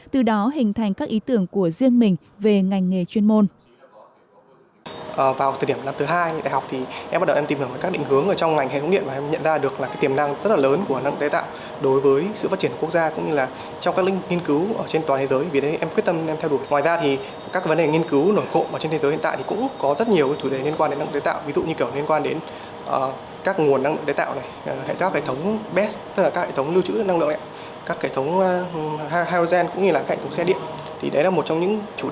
từ đó hình thành các ý tưởng của riêng mình về ngành nghề chuyên môn